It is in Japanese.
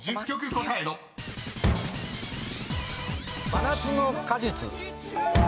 真夏の果実。